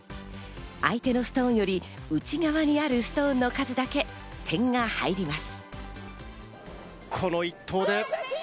相手のストーンより内側にあるストーンの数だけ点が入ります。